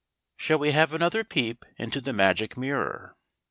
SHALL we have another peep into the Magic Mirror?